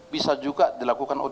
bisa juga dilakukan ott